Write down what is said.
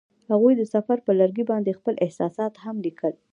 هغوی د سفر پر لرګي باندې خپل احساسات هم لیکل.